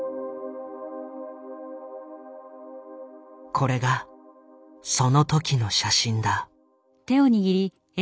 これがその時の写真だ。